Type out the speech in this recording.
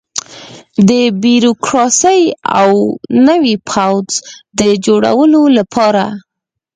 د بیروکراسۍ او نوي پوځ د جوړولو لپاره.